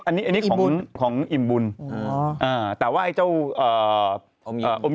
อันนี้อันนี้ของของอิ่มบุญอ๋ออ่าแต่ว่าไอ้เจ้าเอ่อ